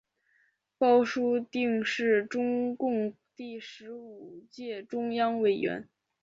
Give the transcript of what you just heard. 包叙定是中共第十五届中央委员。